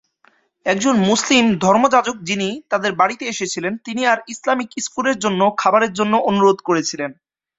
একজন মুসলিম ধর্মযাজক যিনি তাদের বাড়িতে এসেছিলেন তিনি তার ইসলামিক স্কুলের জন্য খাবারের জন্য অনুরোধ করেছিলেন।